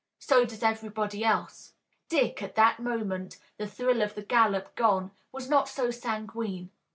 So does everybody else." Dick, at that moment, the thrill of the gallop gone, was not so sanguine.